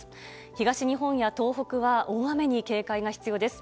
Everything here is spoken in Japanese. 東日本や東北は大雨に警戒が必要です。